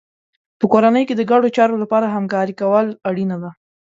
په کورنۍ کې د ګډو چارو لپاره همکاري کول اړینه ده.